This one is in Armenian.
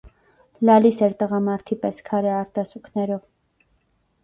լալիս էր տղամարդի պես, քարե արտասուքներով: